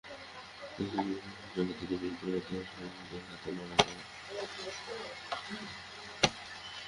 নতুন জীবন, নতুন জগৎ, পুতুলের মতো কুমুদের হাতে নড়াচড়া।